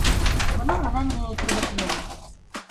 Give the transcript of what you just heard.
Бының менән ни әйтергә теләйем?